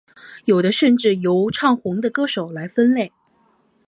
有的甚至由唱红的歌手来分类。